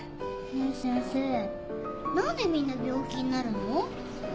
ねぇ先生何でみんな病気になるの？